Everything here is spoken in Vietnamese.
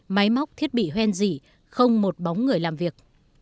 máy móc thiết bị hoen dỉ không một bóng người làm việc